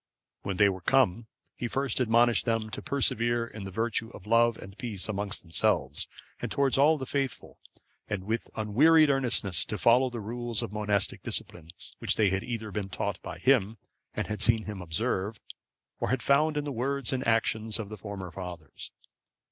When they were come, he first admonished them to preserve the virtue of love and peace among themselves, and towards all the faithful; and with unwearied earnestness to follow the rules of monastic discipline, which they had either been taught by him, and had seen him observe, or had found in the words and actions of the former fathers.